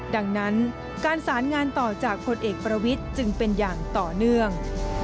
ดังนั้นการสารงานต่อจากผลเอกประวิทย์จึงเป็นอย่างต่อเนื่อง